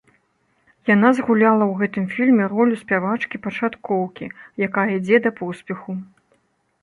Яна згуляла ў гэтым фільме ролю спявачкі-пачаткоўкі, якая ідзе да поспеху.